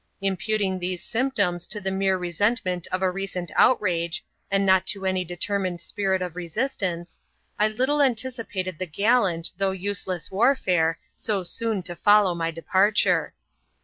Imputing these symp toms to the mere resentment of a recent outrage, and not to any determined spirit of resistance, I little anticipated the gallant, though useless warfare, so soon to follow my d^Murture.